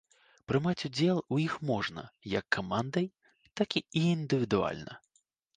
Прымаць удзел у іх можна як камандай, так і індывідуальна.